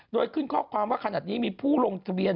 โดยขึ้นข้อความว่าขนาดนี้มีผู้ลงทะเบียน